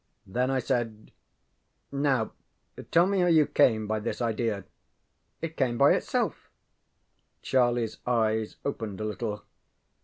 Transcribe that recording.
Then I said, ŌĆ£Now tell me how you came by this idea. ŌĆØ ŌĆ£It came by itself. ŌĆØ CharlieŌĆÖs eyes opened a little.